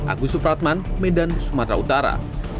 agus supratman medan sumatera utara